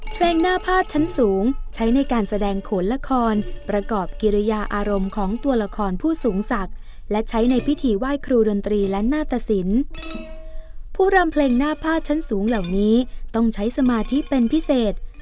เพลงหน้าพาดชั้นสูงใช้ในการแสดงโขนละครประกอบกิริยาอารมณ์ของตัวละครผู้สูงศักดิ์และใช้ในพิธีไหว้ครูดนตรีและหน้าตสินผู้รำเพลงหน้าพาดชั้นสูงเหล่านี้ต้องใช้สมาธิเป็นพิเศษ